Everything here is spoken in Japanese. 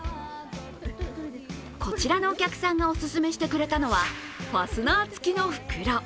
こちらのお客さんがオススメしてくれたのはファスナーつきの袋。